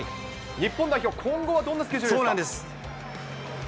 日本代表、今後はどんなスケジュールなんですか？